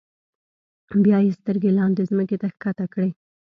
بیا یې سترګې لاندې ځمکې ته ښکته کړې.